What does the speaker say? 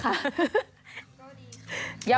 ก็ดีค่ะ